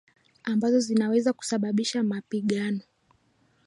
ambazo zinaweza kusababisha mapigano